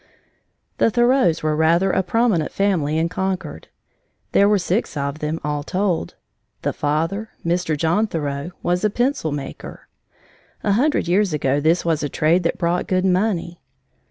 The Thoreaus were rather a prominent family in Concord. There were six of them, all told. The father, Mr. John Thoreau, was a pencil maker. A hundred years ago this was a trade that brought good money.